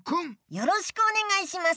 よろしくお願いします。